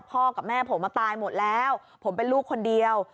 กับแม่ผมมาตายหมดแล้วผมเป็นลูกคนเดียว